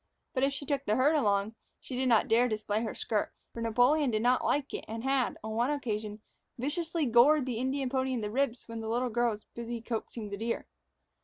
But if she took the herd along, she did not dare display her skirt, for Napoleon did not like it and had, on one occasion, viciously gored the Indian pony in the ribs when the little girl was busy coaxing the deer.